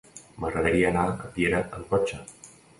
M'agradaria anar a Piera amb cotxe.